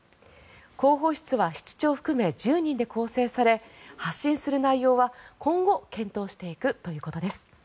広報室は室長含め１０人で構成され発信する内容は今後検討していくということです。